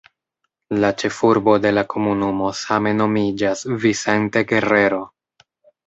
La ĉefurbo de la komunumo same nomiĝas "Vicente Guerrero".